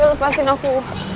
udah lepasin aku